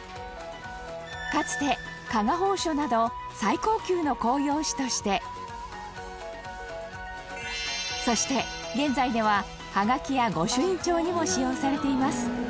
かつて、加賀奉書など最高級の公用紙としてそして、現在ではハガキや御朱印帳にも使用されています